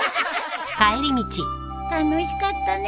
楽しかったね。